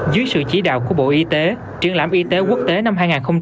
dưới sự chỉ đạo của bộ y tế triển lãm y tế quốc tế năm hai nghìn hai mươi